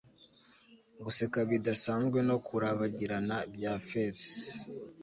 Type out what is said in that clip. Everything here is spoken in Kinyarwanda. Guseka bidasanzwe no kurabagirana bya feza